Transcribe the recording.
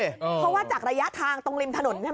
เพราะว่าจากระยะทางตรงริมถนนใช่ไหม